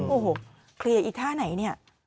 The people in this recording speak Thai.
โอ้โหเคลียร์อีกท่าไหนเนี่ย